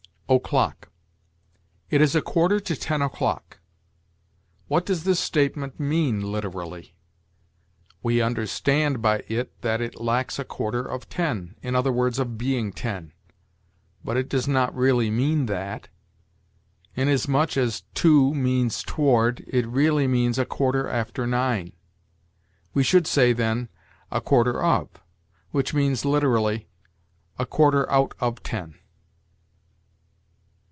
O'CLOCK. "It is a quarter to ten o'clock." What does this statement mean, literally? We understand by it that it lacks a quarter of ten, i. e., of being ten; but it does not really mean that. Inasmuch as to means toward, it really means a quarter after nine. We should say, then, a quarter of, which means, literally, a quarter out of ten.